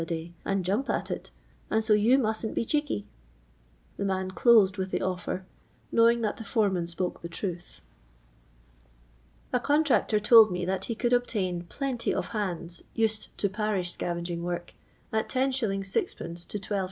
a day, and jumj) at it, and so you m%utn*t be cheeky. The man closed with the offer^ knowing that the fore man spoke the troth. A contractor told me that he conld obtain "plenty of bands, used to parish scarnging work, at 10s. ^d. to \2s.